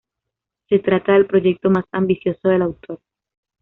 Se trata del proyecto más ambicioso del autor.